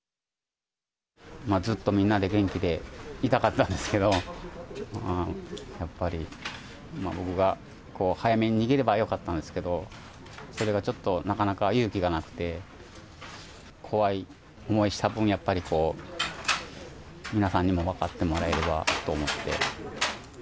ずっとみんなで、元気でいたかったんですけど、やっぱり、僕が早めに逃げればよかったんですけど、それがちょっとなかなか勇気がなくて、怖い思いした分、やっぱりこう、皆さんにも分かってもらえればと思って。